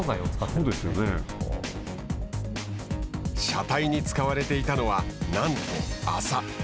車体に使われていたのはなんと麻。